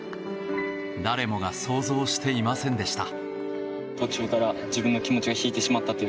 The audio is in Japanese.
誰もが想像していませんでした。